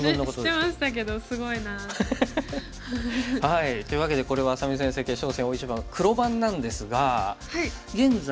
知ってましたけどすごいな。というわけでこれは愛咲美先生決勝戦大一番黒番なんですが現在。